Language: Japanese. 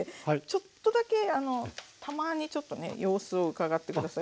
ちょっとだけあのたまにちょっとね様子をうかがって下さい。